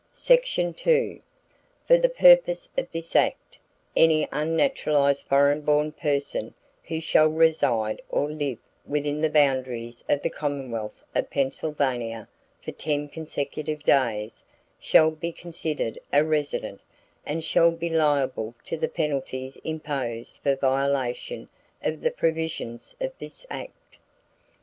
Section 2. For the purpose of this act, any unnaturalized foreign born person who shall reside or live within the boundaries of the Commonwealth of Pennsylvania for ten consecutive days shall be considered a resident and shall be liable to the penalties imposed for violation of the provisions of this act.